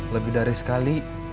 lebih dari sekali